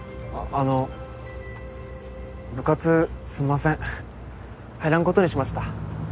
あの部活すんません入らんことにしました